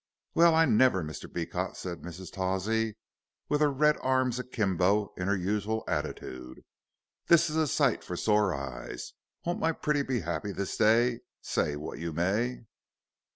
"Well I never, Mr. Beecot," said Mrs. Tawsey, with her red arms akimbo in her usual attitude; "this is a sight for sore eyes. Won't my pretty be 'appy this day, say what you may.